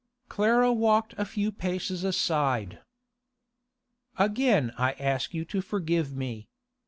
Clara walked a few paces aside. 'Again I ask you to forgive me.